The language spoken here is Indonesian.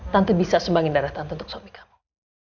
tante bisa sumbangin darah tante untuk suami kamu